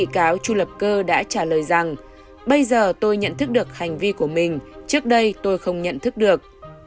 chú lập cơ đã trả lời rằng bây giờ tôi nhận thức được hành vi của mình trước đây tôi không nhận thức được